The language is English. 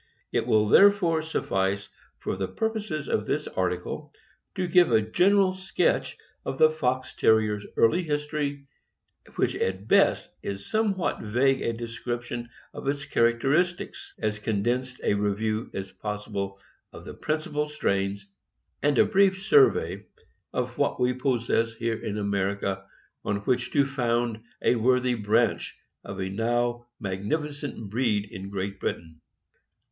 It will therefore suffice for the purposes of this article to give a general sketch of the Fox Terrier's early history — which at best is somewhat vague — a description of his characteristics, as condensed a review as possible of the principal strains, and a brief survey of what we possess here in America on which to found a worthy branch of a now magnificent breed in Great Britain.